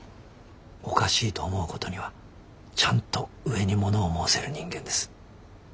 おかしいと思うことにはちゃんと上に物を申せる人間です。